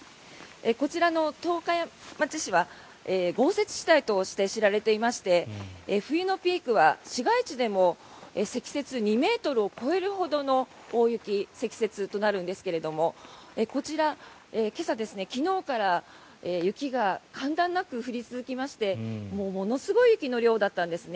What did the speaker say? こちらの十日町市は豪雪地帯として知られていまして冬のピークは市街地でも積雪２ｍを超えるほどの大雪・積雪となるんですがこちら、今朝、昨日から雪が間断なく降り続きましてものすごい雪の量だったんですね。